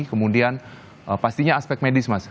kemudian pastinya aspek medis mas